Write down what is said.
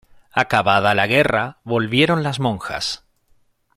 Acabada la guerra, volvieron las monjas.